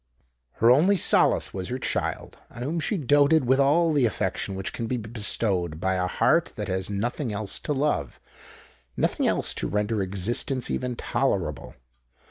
Her only solace was her child, on whom she doated with all the affection which can be bestowed by a heart that has nothing else to love—nothing else to render existence even tolerable.